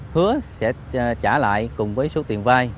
hứa sẽ trả lại cùng với số tiền vay